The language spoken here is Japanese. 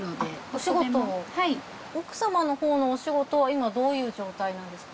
奥様のほうのお仕事は今どういう状態なんですか？